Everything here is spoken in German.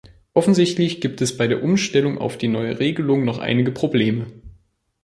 Offensichtlich gibt es bei der Umstellung auf die neue Regelung noch einige Probleme.